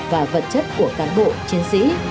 và vật chất của cán bộ chiến sĩ